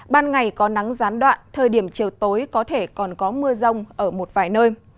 ban ngày có nắng gián đoạn thời điểm chiều tối có thể còn có mưa rông ở một vài nơi